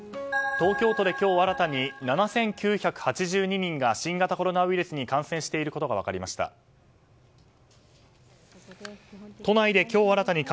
東京都で今日新たに７９８２人が新型コロナウイルスに感染していることが分かりました。